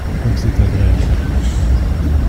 Comme c’est agréable !